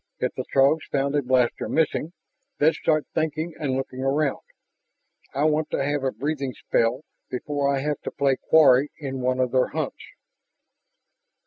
If the Throgs found a blaster missing, they'd start thinking and looking around. I want to have a breathing spell before I have to play quarry in one of their hunts."